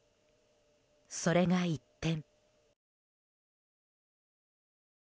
それが一転。